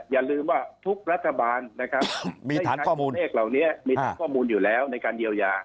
อย่าลืมว่าทุกรัฐบาลนะครับมีข้อมูลเลขเหล่านี้มีทั้งข้อมูลอยู่แล้วในการเยียวยา